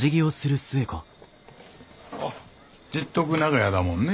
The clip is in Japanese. あっ十徳長屋だもんね。